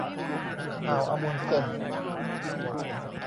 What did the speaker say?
อ่าวอะมุนด์เซน